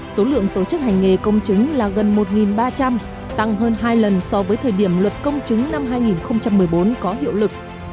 số lượng tổ chức hành nghề công chứng là gần một ba trăm linh tăng hơn hai lần so với thời điểm luật công chứng năm hai nghìn một mươi bốn có hiệu lực